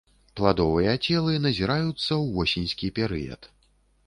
Пладовыя целы назіраюцца ў восеньскі перыяд.